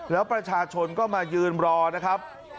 แล้วประชาชนก็มายืนรอนะครับ